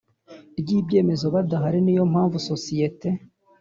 ry ibyemezo badahari Ni yo mpamvu sosiyete